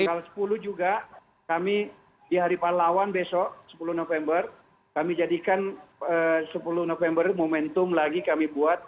tanggal sepuluh juga kami di hari pahlawan besok sepuluh november kami jadikan sepuluh november momentum lagi kami buat